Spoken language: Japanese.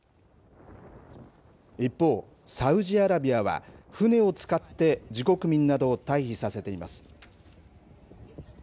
一方、サウジアラビアは、船を使って自国民などを退避させています。